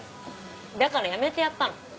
だから辞めてやったの。